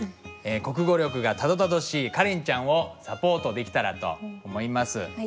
国語力がたどたどしいカレンちゃんをサポートできたらと思います。